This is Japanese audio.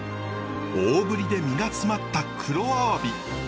大ぶりで身が詰まった黒アワビ。